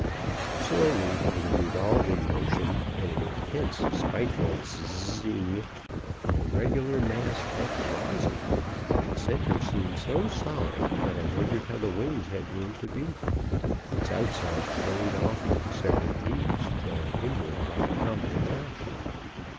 "Slowly, with a revolving motion and an intense, spiteful sszzzzz ing, the irregular mass kept rising. Its center seemed so solid that I wondered how the wings had room to beat. Its outside frayed off into separate bees, drawn inward by a common attraction.